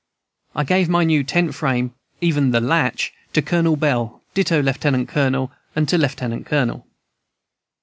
I gave my new tent frame, even the latch, to Colonel Bell; ditto Lieutenant Colonel to Lieutenant Colonel.